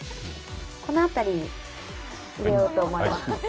このあたりに入れようと思います。